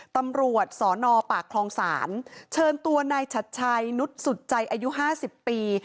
ตำรวจสนปากคลองศาลเชิญตัวนายชัดชัยนุษย์สุดใจอายุ๕๐ปี